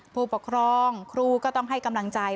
ผู้ปกครองครูก็ต้องให้กำลังใจ